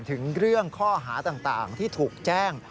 ถึงเรื่องข้อหาต่างที่ถูกแจ้ง